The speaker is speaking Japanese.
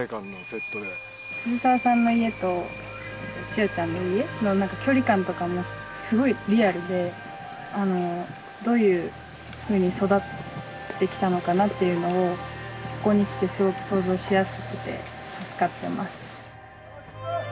渋沢さんの家と千代ちゃんの家の距離感とかもすごいリアルでどういうふうに育ってきたのかなっていうのをここに来てすごく想像しやすくて助かっています。